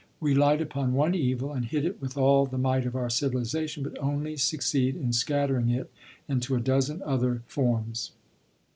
We light upon one evil and hit it with all the might of our civilization, but only succeed in scattering it into a dozen other forms.